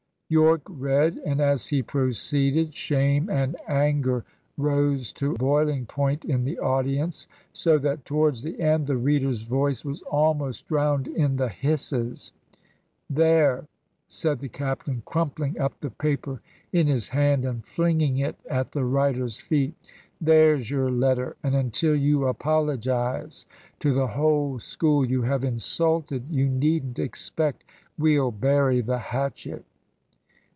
Yorke read, and as he proceeded, shame and anger rose to boiling point in the audience, so that towards the end the reader's voice was almost drowned in the hisses. "There," said the captain, crumpling up the paper in his hand and flinging it at the writer's feet, "there's your letter; and until you apologise to the whole school you have insulted, you needn't expect we'll bury the hatchet!"